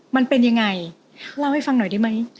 มันเป็นยังไงเล่าให้ฟังหน่อยได้ไหม